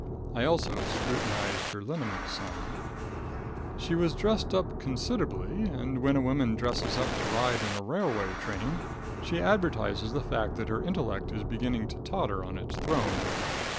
I also scrutinized her lineaments some. She was dressed up considerably, and, when a woman dresses up to ride in a railway train, she advertises the fact that her intellect is beginning to totter on its throne.